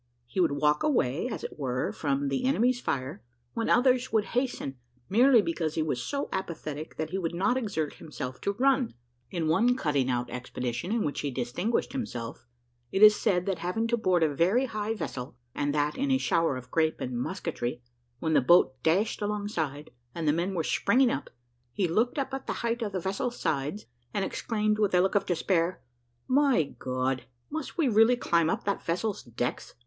He would walk away, as it were, from the enemy's fire, when others would hasten, merely because he was so apathetic that he would not exert himself to run. In one cutting out expedition in which he distinguished himself, it is said, that having to board a very high vessel, and that in a shower of grape and musketry, when the boat dashed alongside, and the men were springing up, he looked up at the height of the vessel's sides, and exclaimed with a look of despair, "My God! must we really climb up that vessel's decks?"